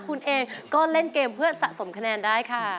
คุณเองก็เล่นเกมเพื่อสะสมคะแนนได้ค่ะ